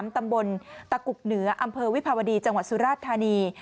ตำบลตะกุกเหนืออำเภอวิภาวดีจังหวัดสุราชธานี